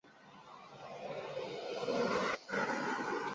莫赫林与苏格兰民族诗人彭斯有密切关系。